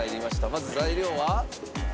まず材料は。